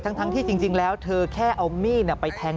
ทั้งที่จริงแล้วเธอแค่เอามีดไปแทง